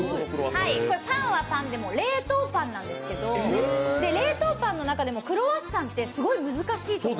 パンはパンでも冷凍パンなんですけど冷凍パンの中でもクロワッサンってすごい難しい。